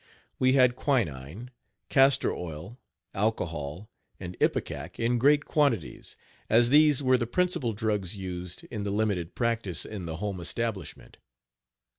We had quinine, castor oil, alcohol and ipecac in great quantities, as these were the principal drugs used in the limited practice in the home establishment.